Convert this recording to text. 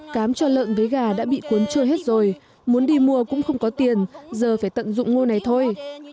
cám cho lợn với gà đã bị cuốn trôi hết rồi muốn đi mua cũng không có tiền giờ phải tận dụng ngôi này thôi